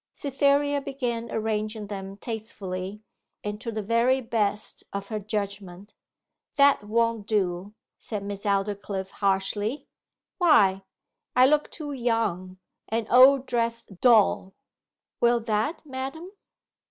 Cytherea began arranging them tastefully, and to the very best of her judgment. 'That won't do,' said Miss Aldclyffe harshly. 'Why?' 'I look too young an old dressed doll.' 'Will that, madam?